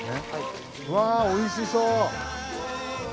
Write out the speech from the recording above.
うわおいしそう！